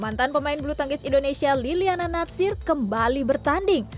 mantan pemain bulu tangkis indonesia liliana natsir kembali bertanding